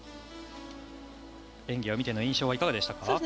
演技を見ての印象はいかがでしたか？